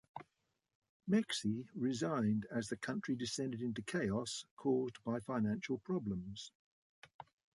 Meksi resigned as the country descended into chaos caused by financial problems.